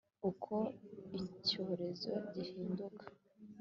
uko icyorezo gihinduka